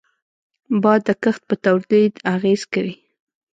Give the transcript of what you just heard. باد د کښت پر تولید اغېز کوي